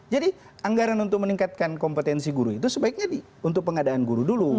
jadi anggaran untuk meningkatkan kompetensi guru itu sebaiknya untuk pengadaan guru dulu